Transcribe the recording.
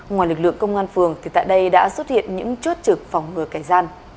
ngoài lực lượng công an phường thì tại đây đã xuất hiện những chốt trực phòng ngừa kẻ gian